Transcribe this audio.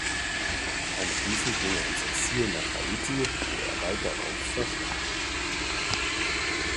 Anschließend ging er ins Exil nach Haiti, wo er bald darauf verstarb.